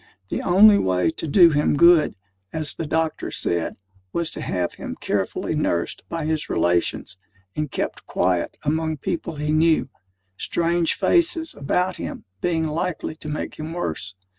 The only way to do him good, as the doctor said, was to have him carefully nursed by his relations, and kept quiet among people he knew; strange faces about him being likely to make him worse.